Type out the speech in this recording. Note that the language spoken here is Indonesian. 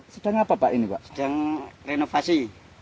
sedang apa pak ini pak sedang renovasi